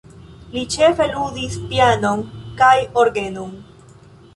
Li ĉefe ludis pianon kaj orgenon.